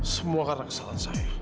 semua karena kesalahan saya